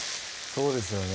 そうですよね